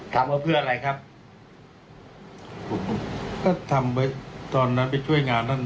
ทำมาเพื่ออะไรครับก็ทำเบอร์ตอนนั้นไปช่วยงานนั่น